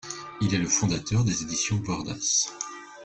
Il est le fondateur des Éditions Bordas.